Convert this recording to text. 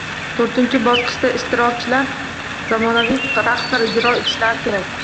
To’rtinchi bosqichda ishtirokchilar zamonaviy raqslar ijro etishlari kerak.